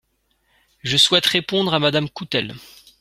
Je souhaite répondre à Madame Coutelle.